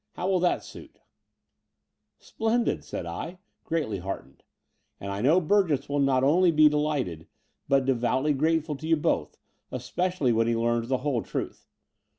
How will that suit ?''Splendid," said I, greatly heartened; and I know Burgess will not only be delighted, but de voutly grateful to you both, especially when he learns the whole truth.